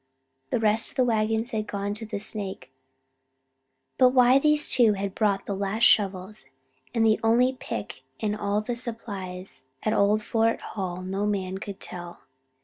The rest of the wagons had gone on to the Snake. But why these two had bought the last shovels and the only pick in all the supplies at old Fort Hall no man could tell.